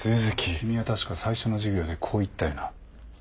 君は確か最初の授業でこう言ったよな？